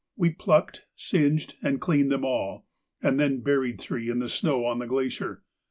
We plucked, singed, and cleaned them all, and then buried three in the snow on the glacier.